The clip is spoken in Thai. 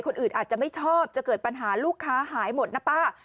อาจจะไม่ชอบจะเกิดปัญหาลูกค้าหายหมดนะป้า